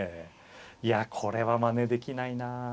いやこれはまねできないな。